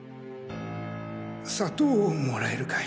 砂糖をもらえるかい？